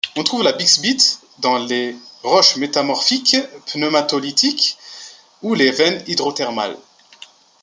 On trouve la bixbyite dans les roches métamorphiques, pneumatolytiques, ou les veines hydrothermales.